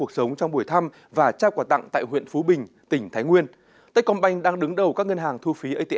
sau đây là nội dung chi tiết